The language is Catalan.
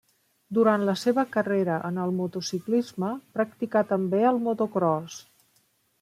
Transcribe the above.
Durant la seva carrera en el motociclisme practicà també el motocròs.